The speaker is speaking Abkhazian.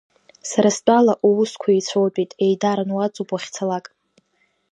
Сара стәала, уусқәа еицәоутәит, еидаран уаҵоуп уахьцалак.